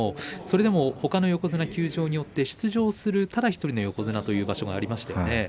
それでもほかの横綱休場によって出場するただ１人の横綱という場所もありました。